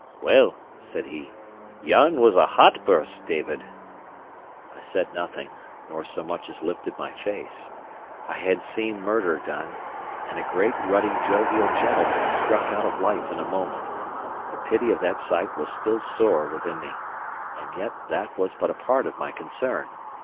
"Well," said he, "yon was a hot burst, David." I said nothing, nor so much as lifted my face. I had seen murder done, and a great, ruddy, jovial gentleman struck out of life in a moment; the pity of that sight was still sore within me, and yet that was but a part of my concern.